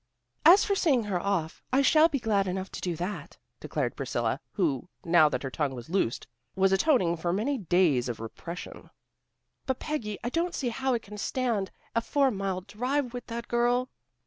"As for seeing her off, I shall be glad enough to do that," declared Priscilla, who, now that her tongue was loosed, was atoning for many days of repression. "But, Peggy, I don't see how I can stand a four mile drive with that girl."